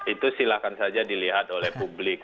itu silahkan saja dilihat oleh publik